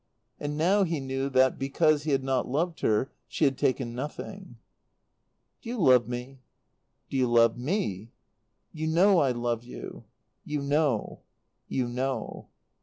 And now he knew that, because he had not loved her, she had taken nothing. "Do you love me?" "Do you love me?" "You know I love you." "You know. You know."